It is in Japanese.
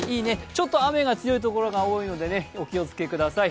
ちょっと雨が強い所が多いのでお気をつけください。